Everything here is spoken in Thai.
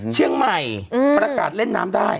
เชียงใหม่ประกาศเล่นน้ำได้